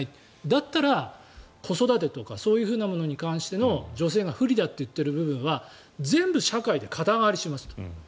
だったら、子育てとかそういうものに関しての女性が不利だと言っている部分は全部社会で肩代わりしますと。